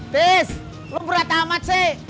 tis lo berat amat sih